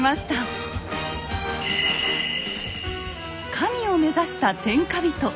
神を目指した天下人。